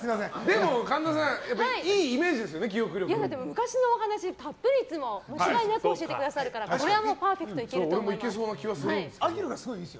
昔のお話たっぷり、いつも間違いなく教えてくださるからパーフェクトいけると思います。